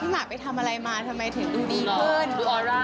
พี่หมากไปทำอะไรมาทำไมดูมาดีขึ้น